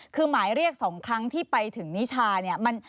คือหมายเรียก๒ครั้งที่ไปถึงนิชาเนี่ย